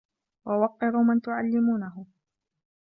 وَوَقِّرُوا مَنْ تُعَلِّمُونَهُ